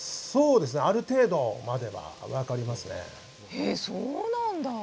へえそうなんだ。